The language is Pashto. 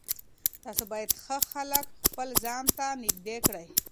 تاسو باید ښه خلک خپل ځان ته نږدې کړئ.